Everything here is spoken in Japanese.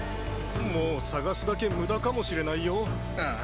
もう捜すだけムダかもしれないよああ